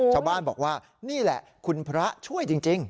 ชาวบ้านบอกว่านี่แหละคุณพระช่วยจริง